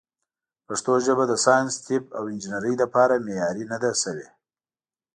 پښتو ژبه د ساینس، طب، او انجنیرۍ لپاره معیاري نه ده شوې.